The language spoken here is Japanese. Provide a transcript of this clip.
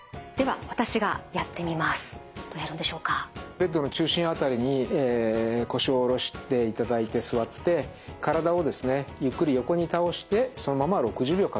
ベッドの中心辺りに腰を下ろしていただいて座って体をですねゆっくり横に倒してそのまま６０秒数えます。